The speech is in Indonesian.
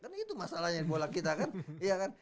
kan itu masalahnya di bola kita kan